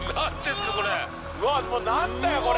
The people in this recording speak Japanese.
うわっ何だよこれ。